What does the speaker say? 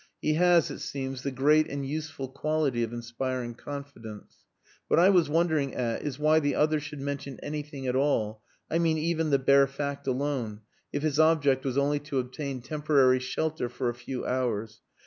He has, it seems, the great and useful quality of inspiring confidence. What I was wondering at is why the other should mention anything at all I mean even the bare fact alone if his object was only to obtain temporary shelter for a few hours.